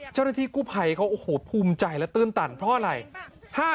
เจ้าหน้าที่กู้ไภเฉพาะอโหพูมใจและตื่นตั่นเพราะอะไร